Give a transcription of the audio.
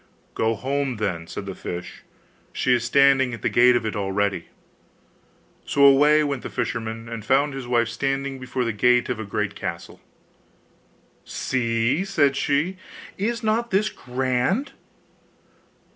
'Go home, then,' said the fish; 'she is standing at the gate of it already.' So away went the fisherman, and found his wife standing before the gate of a great castle. 'See,' said she, 'is not this grand?